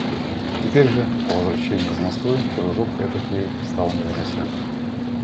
Теперь же, по возвращении из Москвы, кружок этот ей стал невыносим.